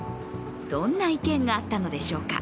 どんな意見があったのでしょうか。